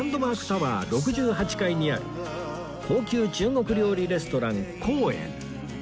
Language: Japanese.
タワー６８階にある高級中国料理レストラン皇苑